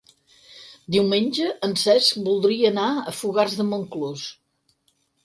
Diumenge en Cesc voldria anar a Fogars de Montclús.